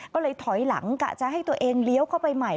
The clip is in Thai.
ก็เลยถอยหลังกะจะให้ตัวเองเลี้ยวเข้าไปใหม่